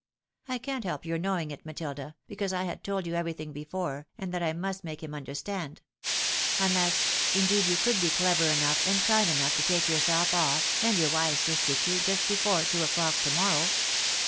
I can't help your knowing it, Matilda, because I had told you everything before, and that I must make him understand ; imless, indeed, you could be clever enough and kind enough to take yourself off, and your wise sister too, just before two o'clock to morrow.